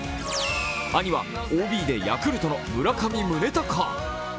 兄はＯＢでヤクルトの村上宗隆。